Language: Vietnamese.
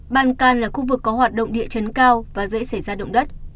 balkan là khu vực có hoạt động địa chấn cao và dễ xảy ra động đất